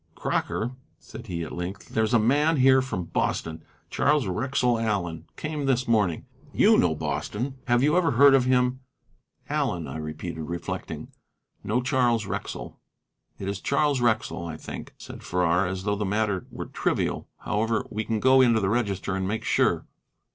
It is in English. "Crocker," said he, at length, "there's a man here from Boston, Charles Wrexell Allen; came this morning. You know Boston. Have you ever heard of him?" "Allen," I repeated, reflecting; "no Charles Wrexell." "It is Charles Wrexell, I think," said Farrar, as though the matter were trivial. "However, we can go into the register and make sure."